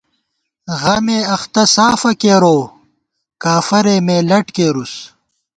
غمےاختہ سافہ کېروؤ کافَرے مے لٹ کېرُس